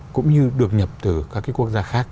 cũng như được nhập từ các cái quốc gia khác